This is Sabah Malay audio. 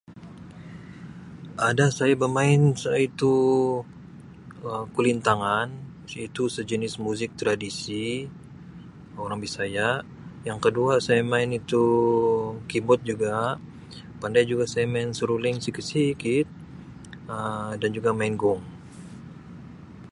Ada saya bemain iaitu Um kulintangan iaitu sejenis muzik tradisi orang Bisaya yang kedua saya main itu keyboard juga pandai juga saya main seruling sikit-sikit Um dan juga main gong.